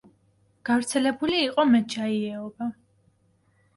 გავრცელებული იყო მეჩაიეობა.